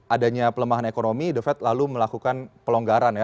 adanya pelemahan ekonomi the fed lalu melakukan pelonggaran ya